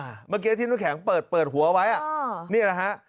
อ่าเมื่อกี้ที่น้องแข็งเปิดหัวไว้นี่แหละ